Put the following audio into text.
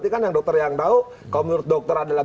kalau menurut dokter adalah